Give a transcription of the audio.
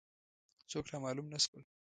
څوک را معلوم نه شول.